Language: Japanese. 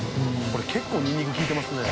これ結構ニンニクきいてますね。